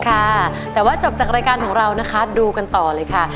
ค่ะแต่ว่าจบจากรายการของเรานะคะดูกันต่อเลยค่ะ